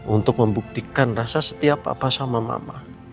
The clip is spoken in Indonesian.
untuk membuktikan rasa setia papa sama mama